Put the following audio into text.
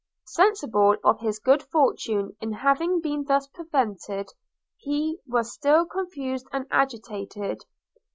Sensible of his good fortune in having been thus prevented, he was still confused and agitated.